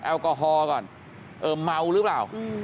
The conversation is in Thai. แอลกอฮอล์ก่อนเออเมาหรือเปล่า